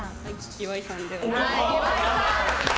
岩井さんで。